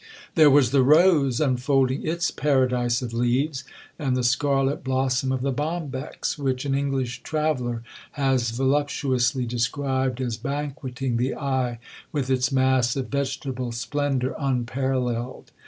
There was the rose unfolding its 'paradise of leaves,' and the scarlet blossom of the bombex, which an English traveller has voluptuously described as banqueting the eye with 'its mass of vegetable splendour' unparalleled.